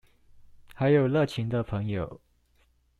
還有熱情的朋友